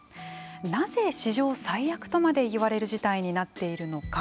なぜ史上最悪とまでいわれる事態になっているのか。